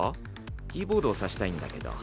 キーボード挿したいんだけど。